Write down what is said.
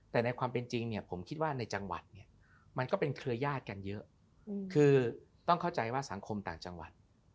แต่ในความเป็นจริงเนี่ยผมคิดว่าในจังหวัดเนี่ยมันก็เป็นเครือยาศกันเยอะคือต้องเข้าใจว่าสังคมต่างจังหวัด